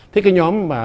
thế cái nhóm